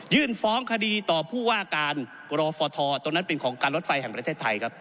ฟ้องคดีต่อผู้ว่าการกรฟทตรงนั้นเป็นของการรถไฟแห่งประเทศไทยครับ